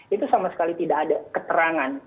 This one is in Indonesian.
itu sama sekali tidak ada keterangan